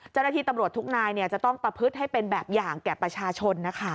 เจ้าหน้าที่ตำรวจทุกนายจะต้องประพฤติให้เป็นแบบอย่างแก่ประชาชนนะคะ